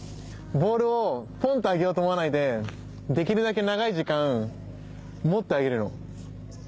ボールをポンって上げようと思わないでできるだけ長い時間持ってあげるの。